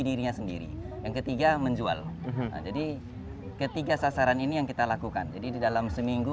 dirinya sendiri yang ketiga menjual jadi ketiga sasaran ini yang kita lakukan jadi di dalam seminggu